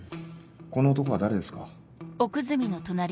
この男は誰ですか？